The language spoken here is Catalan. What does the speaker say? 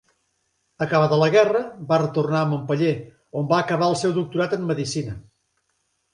Acabada la guerra va retornar a Montpeller, on va acabar el seu doctorat en medicina.